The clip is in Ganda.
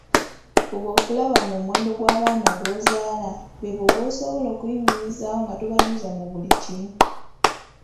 Fuba okulaba ng'omuwendo gw’abaana gw’ozaaala beebo b’osobola okuyimirizaawo nga tobajuza mu buli kimu.